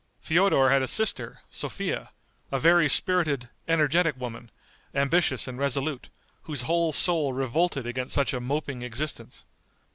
Feodor had a sister, Sophia, a very spirited, energetic woman, ambitious and resolute, whose whole soul revolted against such a moping existence.